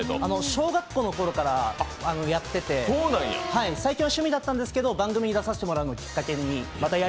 小学校のころからやってて、最初、趣味だったんですけど番組に出させていただいたのをきっかけに。